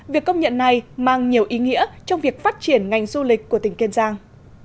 việc công nhận này mang nhiều ý nghĩa trong việc phát triển ngành du lịch của tỉnh kiên giang